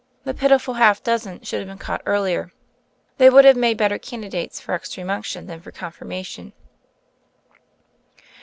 This pitiful half dozen THE FAIRY OF THE SNOWS 93 should have been caught earlier. They would have made better candidates for Extreme Unc tion than for Confirmation.